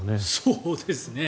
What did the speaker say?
そうですね。